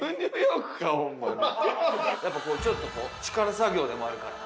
やっぱちょっとこう力作業でもあるから。